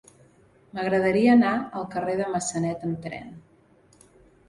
M'agradaria anar al carrer de Massanet amb tren.